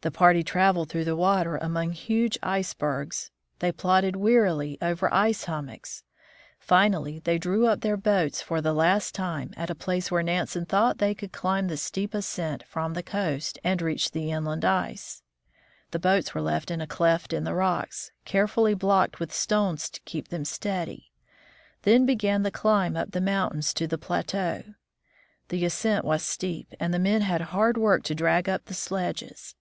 The party traveled through the water among huge ice NANSEN CROSSES GREENLAND 117 bergs ; they plodded wearily over ice hummocks ; finally, they drew up their boats for the last time at a place where Nansen thought they could climb the steep ascent from the coast, and reach the inland ice. The boats were left in a cleft in the rocks, carefully blocked with stones to keep them steady. Then began A View in the Interior of Greenland. the climb up the mountains to the plateau. The ascent was steep, and the men had hard work to drag up the sledges.